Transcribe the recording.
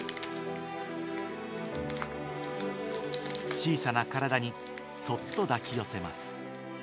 小さな体にそっと抱き寄せます。